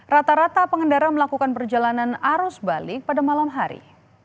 rata rata pengendara melakukan perjalanan arus balik pada malam hari